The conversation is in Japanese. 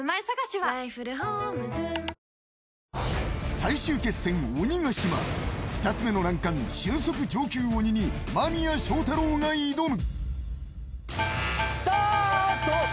最終決戦鬼ヶ島、２つ目の難関、俊足上級鬼に間宮祥太朗が挑む。